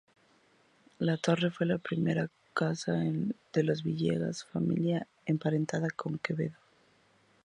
La torre fue la primera casa de los Villegas, familia emparentada con Quevedo.